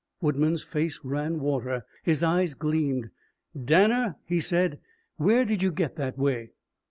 Woodman's face ran water. His eyes gleamed. "Danner," he said, "where did you get that way?"